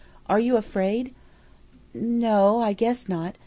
Are you afraid?" "N no; I guess not.